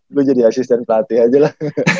gue jadi asisten pelatih aja lah